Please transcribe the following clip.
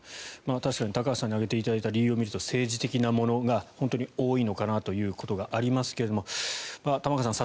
確かに高橋さんに挙げていただいた理由を見ると政治的なものが本当に多いのかなということがありますが玉川さん